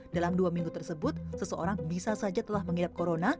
dalam dua minggu tersebut seseorang bisa saja telah mengidap corona